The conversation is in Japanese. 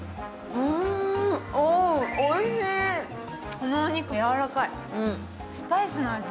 このお肉やわらかいスパイスの味